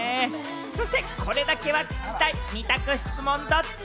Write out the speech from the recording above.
そしてこれだけは聞きたい、二択質問ドッチ？